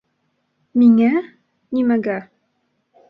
Миңә... нимәгә?!